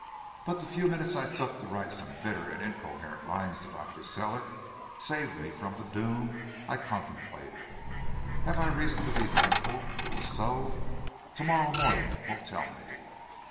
But the few minutes I took to write some bitter and incoherent lines to Dr. Sellick saved me from the doom I contemplated. Have I reason to be thankful it was so? To morrow morning will tell me.